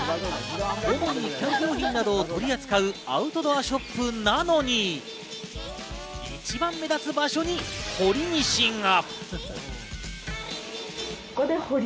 キャンプ用品などを取り扱うアウトドアショップなのに、一番目立つ場所にほりにしが。